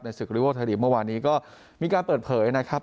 ในศึกอริโวทะลิฟต์เมื่อวานนี้ก็มีการเปิดเผยนะครับ